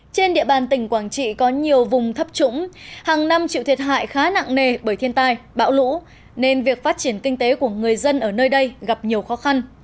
trên địa bàn tỉnh quảng trị có nhiều vùng thấp trũng hàng năm chịu thiệt hại khá nặng nề bởi thiên tai bão lũ nên việc phát triển kinh tế của người dân ở nơi đây gặp nhiều khó khăn